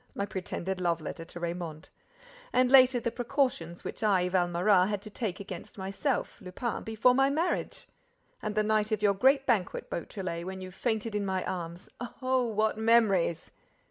My pretended love letter to Raymonde! And, later, the precautions which I, Valméras, had to take against myself, Lupin, before my marriage! And the night of your great banquet, Beautrelet, when you fainted in my arms! Oh, what memories!"